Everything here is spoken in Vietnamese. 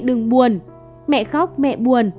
đừng buồn mẹ khóc mẹ buồn